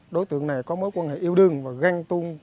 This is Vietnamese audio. đối tượng này có mối quan hệ yêu đương và ghen tuôn với đối tượng liễu